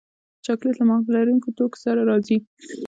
چاکلېټ له مغز لرونکو توکو سره راځي.